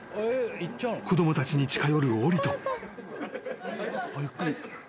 ［子供たちに近寄るオリト］